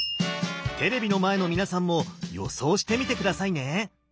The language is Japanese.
テレビの前の皆さんも予想してみて下さいね。